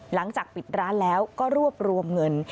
หลังจากปิดร้านแล้วก็รวบรวมเงิน